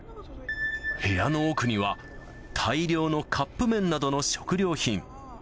部屋の奥には、大量のカップ麺などの食料品。